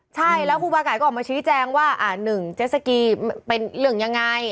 ใช่แล้วครูบากายก็ออกมาชี้แจงว่าอ่าหนึ่งเจ็ดสกีเป็นเรื่องยังไง